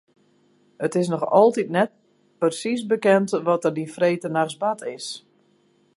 It is noch altyd net persiis bekend wat der dy freedtenachts bard is.